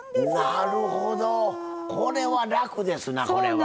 なるほどこれは楽ですな。